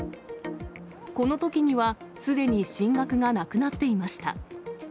このときにはすでに神額がなくなっていました。